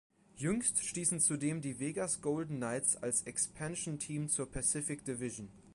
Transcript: Jüngst stießen zudem die Vegas Golden Knights als Expansion Team zur Pacific Division.